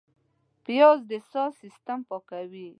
پیاز د ساه سیستم پاکوي